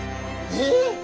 えっ！